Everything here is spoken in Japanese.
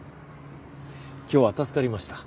今日は助かりました。